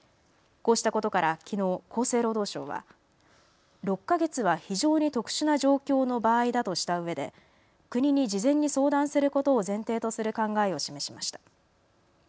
こうしたことからきのう厚生労働省は６か月は非常に特殊な状況の場合だとしたうえで国に事前に相談することを前提とする考えを示しました。